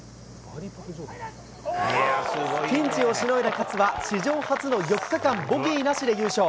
ピンチをしのいだ勝は、史上初の４日間ボギーなしで優勝。